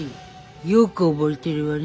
よく覚えてるわね